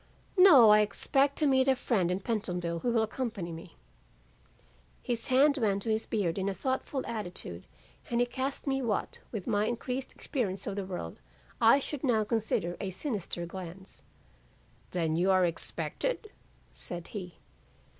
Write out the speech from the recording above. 'No, I expect to meet a friend in Pentonville who will accompany me." "His hand went to his beard in a thoughtful attitude and he cast me what, with my increased experience of the world, I should now consider a sinister glance. 'Then you are expected?' said he.